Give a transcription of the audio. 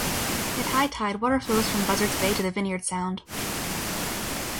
At high tide, water flows from Buzzards Bay to the Vineyard Sound.